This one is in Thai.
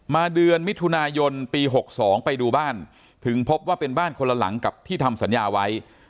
เดือนมิถุนายนปี๖๒ไปดูบ้านถึงพบว่าเป็นบ้านคนละหลังกับที่ทำสัญญาไว้